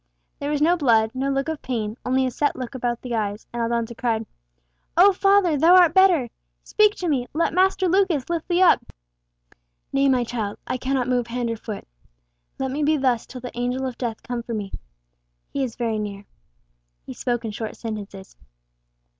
There was no blood, no look of pain, only a set look about the eyes; and Aldonza cried "Oh, father, thou art better! Speak to me! Let Master Lucas lift thee up!" "Nay, my child. I cannot move hand or foot. Let me be thus till the Angel of Death come for me. He is very near." He spoke in short sentences.